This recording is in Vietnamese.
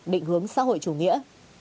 định hướng xã hội chủ nghĩa